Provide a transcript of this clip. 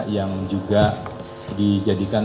yang juga dijadikan